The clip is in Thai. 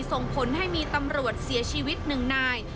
ส่งผลให้มีตำรวจเสียชีวิตหนึ่งนาย